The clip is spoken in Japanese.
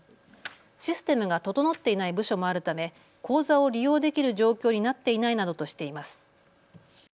システムが整っていない部署もあるため口座を利用できる状況になっていないなどとしています。